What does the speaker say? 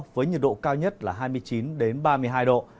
với nhiệt độ cao nhất là hai mươi chín ba mươi hai độ